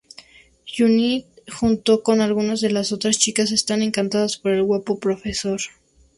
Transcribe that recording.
Justine, junto con algunas de las otras chicas están encantadas por el guapo profesor.